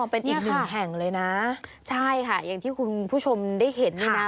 เป็นอีกหนึ่งแห่งเลยนะใช่ค่ะอย่างที่คุณผู้ชมได้เห็นนี่นะ